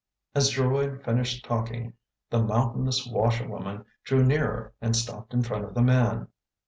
As Geroid finished talking the mountainous washer woman drew nearer and stopped in front of the man.